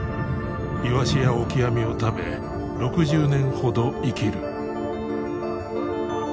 イワシやオキアミを食べ６０年ほど生きる。